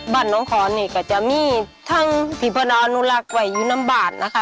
บ้านน้องคอนนี่ก็จะมีทั้งพี่พนาอนุรักษ์ไว้อยู่น้ำบาทนะคะ